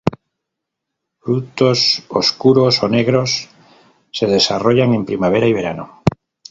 Frutos oscuros o negros se desarrollan en primavera y verano.